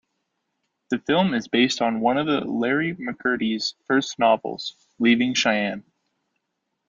The film is based on one of Larry McMurtry's first novels, "Leaving Cheyenne".